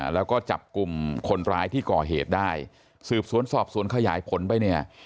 แล้วก็จับกลุ่มคนร้ายที่ก่อเหตุได้สืบสวนสอบสวนขยายผลไปเนี่ย